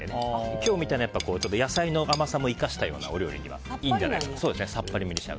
今日みたいな野菜の甘さも生かしたようなお料理にはいいんじゃないかと。